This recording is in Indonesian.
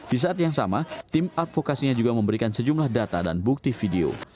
di saat yang sama tim advokasinya juga memberikan sejumlah data dan bukti video